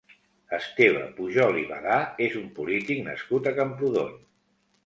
Esteve Pujol i Badà és un polític nascut a Camprodon.